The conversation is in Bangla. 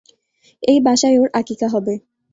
এই বাসায় ওর আকিকা হবে।